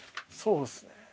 そうっすね。